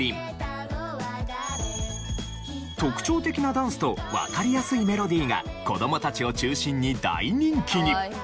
特徴的なダンスとわかりやすいメロディーが子供たちを中心に大人気に。